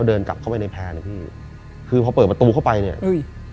เดินกลับเข้าไปในแพร่เลยพี่คือพอเปิดประตูเข้าไปเนี่ยอุ้ย